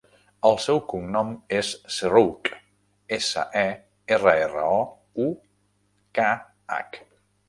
El seu cognom és Serroukh: essa, e, erra, erra, o, u, ca, hac.